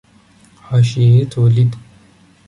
حاشیهی تولید